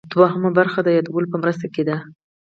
دوهمه برخه د یادولو په مرسته ده.